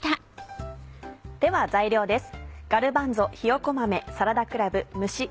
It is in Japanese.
では材料です。